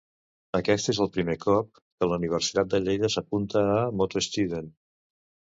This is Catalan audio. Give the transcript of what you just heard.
Aquest és el primer cop que la Universitat de Lleida s'apunta a MotoStudent.